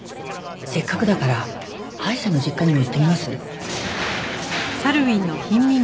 せっかくだからアイシャの実家にも行ってみます？